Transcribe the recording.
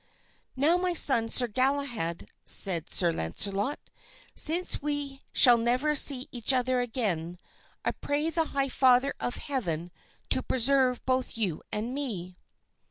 "Now, my son, Sir Galahad," said Sir Launcelot, "since we shall never see each other again, I pray the high Father of heaven to preserve both you and me."